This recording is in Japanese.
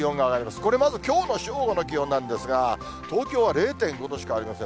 これ、まずきょうの正午の気温なんですが、東京は０．５度しかありません。